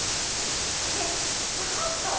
ねえちょっと！